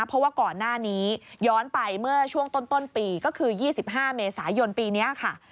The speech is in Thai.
เพราะว่าก่อนหน้านี้ย้อนไปเมื่อช่วงต้นปีก็คือ๒๕เมษายนปีนี้ค่ะ